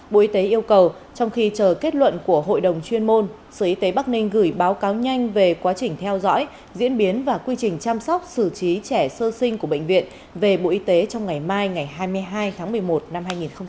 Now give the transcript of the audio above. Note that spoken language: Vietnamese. bộ y tế yêu cầu trong khi chờ kết luận của hội đồng chuyên môn sở y tế bắc ninh gửi báo cáo nhanh về quá trình theo dõi diễn biến và quy trình chăm sóc xử trí trẻ sơ sinh của bệnh viện về bộ y tế trong ngày mai ngày hai mươi hai tháng một mươi một năm hai nghìn hai mươi